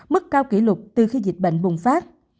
mức cao kỷ lục từ khi dịch bệnh bùng phát